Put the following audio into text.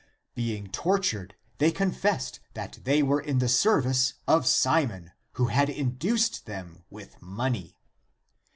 Being tor tured, they confessed that they were in the service of Simon, who had induced them with money.